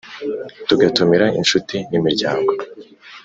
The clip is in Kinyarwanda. Tugatumira inshuti n’imiryango